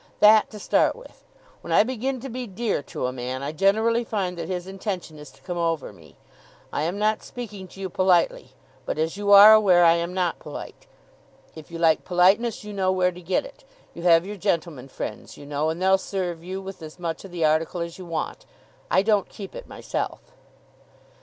That, to start with. When I begin to be dear to a man, I generally find that his intention is to come over me. I am not speaking to you politely; but, as you are aware, I am not polite. If you like politeness, you know where to get it. You have your gentleman friends, you know, and they'll serve you with as much of the article as you want. I don't keep it myself.